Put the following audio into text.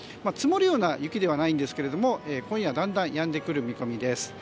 積もるような雪ではないんですが今夜だんだんやんでくる見込みです。